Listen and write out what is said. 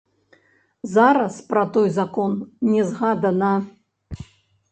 Зараз пра той закон не згадана.